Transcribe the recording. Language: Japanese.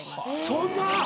そんな！